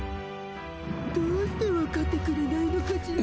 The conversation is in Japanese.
どうして分かってくれないのかしら。